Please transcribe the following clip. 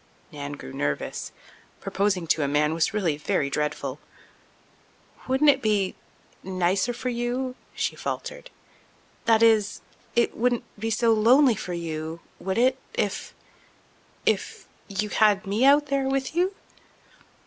Nan grew nervous. Proposing to a man was really very dreadful. "Wouldn't it be—nicer for you"—she faltered—"that is—it wouldn't be so lonely for you—would it—if—if you had me out there with you?"